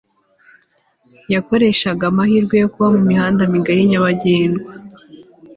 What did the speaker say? yakoreshaga amahirwe yo kuba mu mihanda migari nyabagendwa